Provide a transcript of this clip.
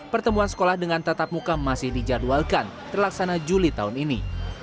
pertemuan sekolah dengan tatap muka masih dijadwalkan terlaksana juli tahun ini